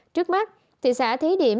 trước mắt thị xã thí điểm